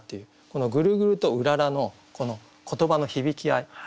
この「ぐるぐる」と「うらら」の言葉の響き合い。